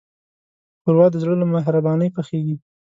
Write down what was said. ښوروا د زړه له مهربانۍ پخیږي.